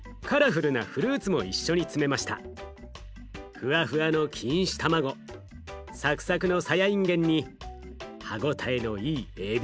ふわふわの錦糸卵サクサクのさやいんげんに歯応えのいいえび。